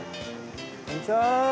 こんにちは。